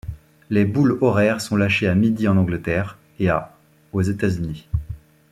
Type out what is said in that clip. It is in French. Les boules horaires sont lâchées à midi en Angleterre et à aux États-Unis.